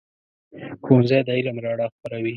ښوونځی د علم رڼا خپروي.